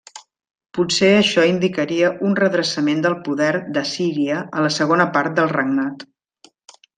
Potser això indicaria un redreçament del poder d'Assíria a la segona part del regnat.